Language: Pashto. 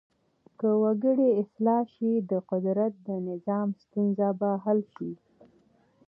که وګړي اصلاح شي د قدرت د نظام ستونزه به حل شي.